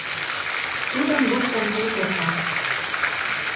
Тудым луктын тый кертат.